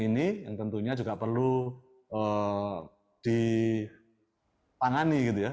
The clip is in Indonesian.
ini yang tentunya juga perlu ditangani gitu ya